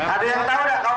ada yang tahu pak